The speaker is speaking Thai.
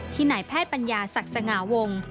ที่ไหนแพทย์ปัญญาศักดิ์สังหาวงศ์